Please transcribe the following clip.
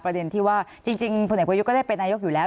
ประเด็นที่ว่าจริงพลเอกประยุทธ์ก็ได้เป็นนายกอยู่แล้ว